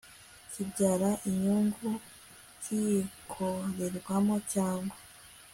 kibyara inyungu kiyikorerwamo cyangwa